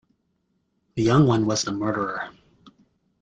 The young one was the murderer.